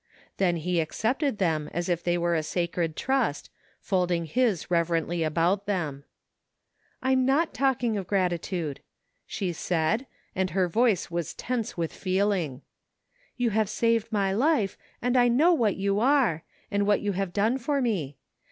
Then he accepted them as if they were a sacred trust, folding his reverently about them. " I am not talking of gratitude," she said, and her voice was tense with feeling. " You saved my life and I know what you are, and what you have done for me.